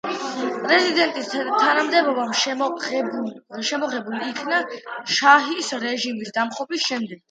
პრეზიდენტის თანამდებობა შემოღებულ იქნა შაჰის რეჟიმის დამხობის შემდეგ.